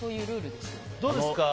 どうですか？